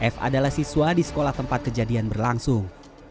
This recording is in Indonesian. f adalah siswa di sekolah tempat kejadian berlangsung